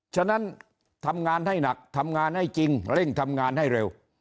ฉะนั้นทำงานให้หนักทำงานให้จริงเร่งทำงานให้เร็ว